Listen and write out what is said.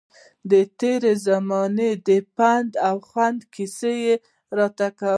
د تېرې زمانې پند او خوند کیسې راته کوي.